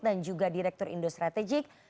dan juga direktur indostrategic